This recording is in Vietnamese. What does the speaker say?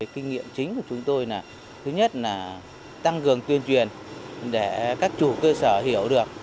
kinh nghiệm chính của chúng tôi là thứ nhất là tăng cường tuyên truyền để các chủ cơ sở hiểu được